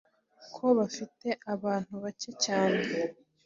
ko bafite abantu bacye cyane